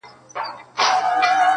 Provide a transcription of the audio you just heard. • نوم به مي نه وي د زمان پر ژبه -